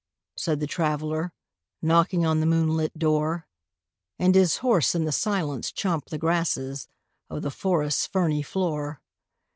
said the Traveler, Knocking on the moonlit door; And his horse in the silence chomped the grasses Of the forest's ferny floor.